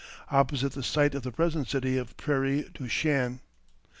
opposite the site of the present city of Prairie du Chien.